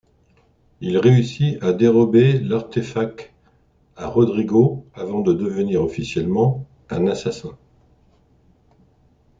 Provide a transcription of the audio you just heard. Il réussit à dérober l'artefact à Rodrigo avant de devenir, officiellement, un Assassin.